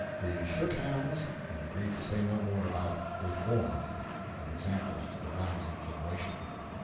We shook hands and agreed to say no more about "reform" and "examples to the rising generation."